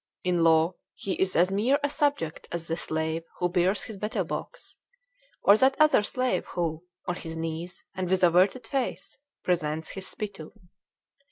In law, he is as mere a subject as the slave who bears his betel box; or that other slave who, on his knees, and with averted face, presents his spittoon.